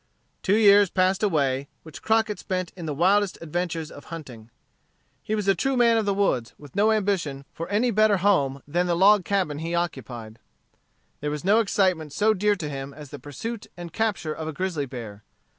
Two years passed away, which Crockett spent in the wildest adventures of hunting. He was a true man of the woods with no ambition for any better home than the log cabin he occupied. There was no excitement so dear to him as the pursuit and capture of a grizzly bear.